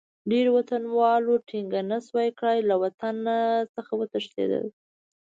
ډېرو وطنوالو ټینګه نه شوای کړای، له وطن څخه وتښتېدل.